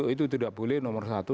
itu tidak boleh nomor satu